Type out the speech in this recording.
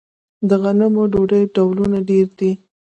د غنمو ډوډۍ ډولونه ډیر دي.